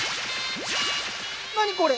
何これ？